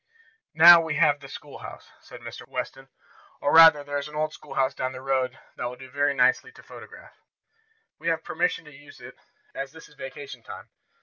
"Now we have the schoolhouse," said Mr. Weston, "or, rather, there is an old schoolhouse down the road that will do very nicely to photograph. We have permission to use it, as this is vacation time.